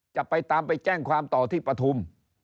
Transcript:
จะไปตามไปแจ้งความต่อที่ปฐุม